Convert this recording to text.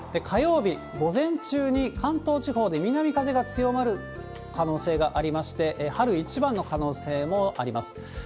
火曜日午前中に、関東地方で南風が強まる可能性がありまして、春一番の可能性もあります。